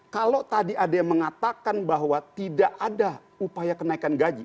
kalau tadi ada yang mengatakan bahwa tidak ada upaya kenaikan gaji